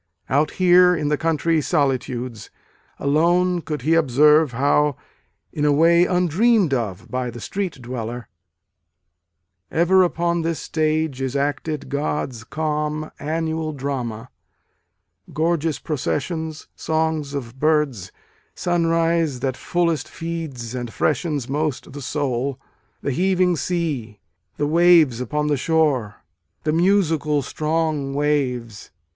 Out here, in the country solitudes, alone could he observe how in a way undreamed of by the street dweller, Ever upon this stage Is acted God s calm annual drama, Gorgeous processions, songs of birds, Sunrise that fullest feeds and freshens most the soul, The heaving sea, the waves upon the shore, the musical, strong waves, A DAY WITH WALT WHITMAN.